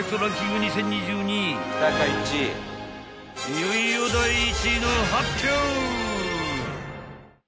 ［いよいよ第１位の発表］